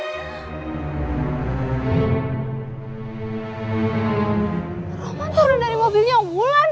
roman turun dari mobilnya wulan